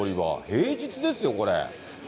平日ですよ、これ。